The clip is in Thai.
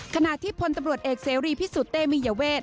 ขณะที่พลตำรวจเอกเสรีพิสุทธิ์เตมียเวท